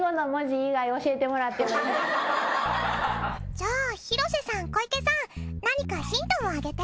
じゃあ廣瀬さん小池さん何かヒントをあげて。